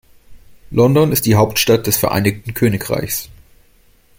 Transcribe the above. London ist die Hauptstadt des Vereinigten Königreichs.